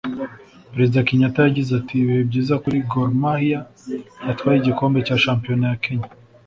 Perezida Kenyatta yagize ati “ Ibihe byiza kuri Gor Mahia yatwaye igikombe cya shampiyona ya Kenya